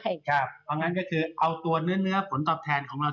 เพราะงั้นก็คือเอาตัวเนื้อผลตอบแทนของเรา